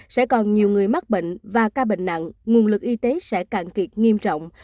sẽ còn nhiều người mắc bệnh và ca bệnh nặng nguồn lực y tế sẽ cạn kiệt nghiêm trọng